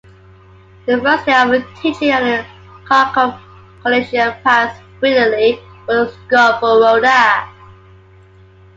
The first year of teaching at Kharkov Collegium passed brilliantly for Skovoroda.